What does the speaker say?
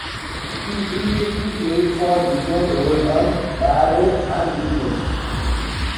He previously played for Wigan, Oldham, Barrow and Widnes.